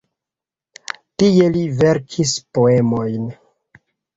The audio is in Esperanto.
Tie li verkis poemojn.